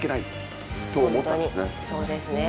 そうですね。